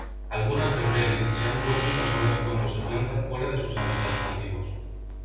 Algunas "Berberis" se han vuelto invasoras cuando se plantan fuera de sus hábitats nativos.